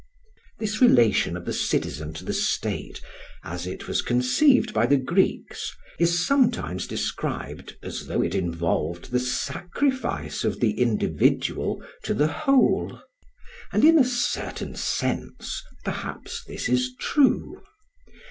This relation of the citizen to the state, as it was conceived by the Greeks, is sometimes described as though it involved the sacrifice of the individual to the whole. And in a certain sense, perhaps, this is true.